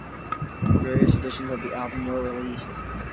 Various editions of the album were released.